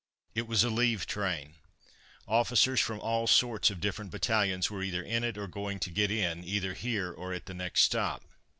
It was a leave train. Officers from all sorts of different battalions were either in it or going to get in, either here or at the next stop.